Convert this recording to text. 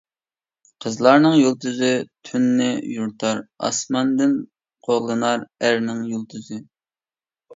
قىزلارنىڭ يۇلتۇزى تۈننى يورۇتار، ئاسماندىن قوغلىنار ئەرنىڭ يۇلتۇزى.